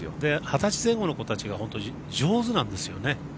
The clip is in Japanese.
二十歳前後の子たちが上手なんですよね。